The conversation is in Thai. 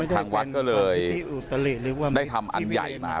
ทางวัดก็เลยได้ทำอันใหญ่มา